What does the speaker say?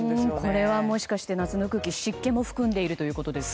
これはもしかして夏の空気湿気も含んでいるということですか。